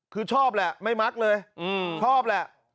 คือชอบแหละไม่มักเลยชอบแหละ